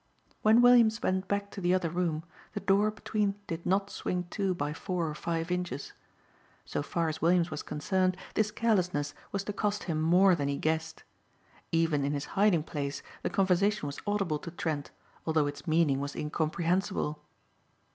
When Williams went back to the other room the door between did not swing to by four or five inches. So far as Williams was concerned this carelessness was to cost him more than he guessed. Even in his hiding place the conversation was audible to Trent, although its meaning was incomprehensible.